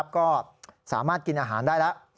ก็สามารถกินอาหารได้แล้ว